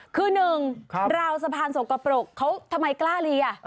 คือหนึ่งราวสะพานสกปรกเขาทำไมกล้าเลีย